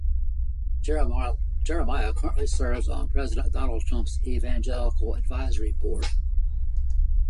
Jeremiah currently serves on President Donald Trump's evangelical advisory board.